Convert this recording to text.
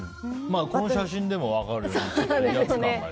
この写真でも分かるように威圧感が。